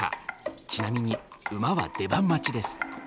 ちなみに、馬は出番待ちです。